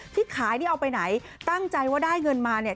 ที่ขายนี่เอาไปไหนตั้งใจว่าได้เงินมาเนี่ย